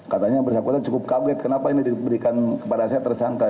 katanya bersangkutan cukup kaget kenapa ini diberikan kepada saya tersangka